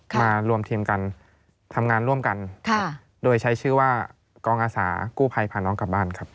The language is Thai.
มารวมทีมกันทำงานร่วมกันโดยใช้ชื่อว่ากองอาสากู้ภัยพาน้องกลับบ้านครับ